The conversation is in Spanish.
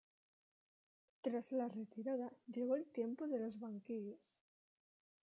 Tras la retirada llegó el tiempo de los banquillos.